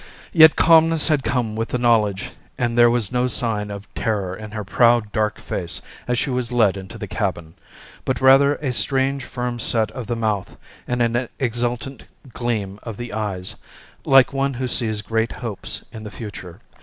Yet calmness had come with the knowledge, and there was no sign of terror in her proud, dark face as she was led into the cabin, but rather a strange, firm set of the mouth and an exultant gleam of the eyes, like one who sees great hopes in the future.